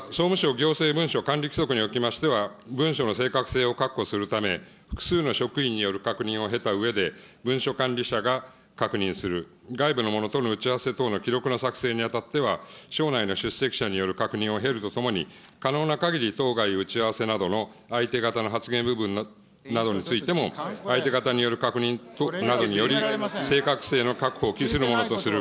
また総務省行政文書管理規則におきましては、文書の正確性を確保するため、複数の職員による確認を経たうえで、文書管理者が確認する、外部の者との打ち合わせ等の記録の作成にあたっては、省内の出席者による確認を経るとともに、可能なかぎり当該打ち合わせなどの相手方の発言部分などについても、相手方による確認などにより、正確性の確保をきするものとする。